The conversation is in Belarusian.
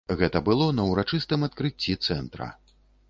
Гэта было на ўрачыстым адкрыцці цэнтра.